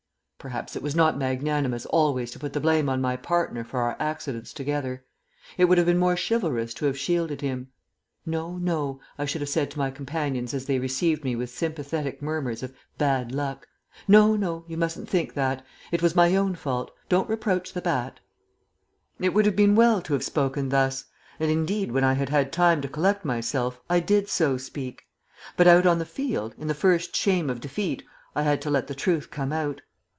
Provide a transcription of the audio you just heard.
Perhaps it was not magnanimous always to put the blame on my partner for our accidents together. It would have been more chivalrous to have shielded him. "No, no," I should have said to my companions as they received me with sympathetic murmurs of "Bad luck," "no, no, you mustn't think that. It was my own fault. Don't reproach the bat." It would have been well to have spoken thus; and indeed, when I had had time to collect myself, I did so speak. But out on the field, in the first shame of defeat, I had to let the truth come out.